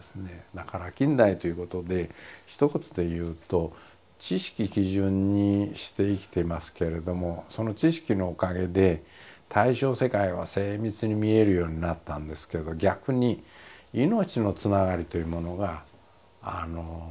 だから近代ということでひと言でいうと知識基準にして生きてますけれどもその知識のおかげで対象世界は精密に見えるようになったんですけど逆に命のつながりというものが見えなくなったんじゃないか。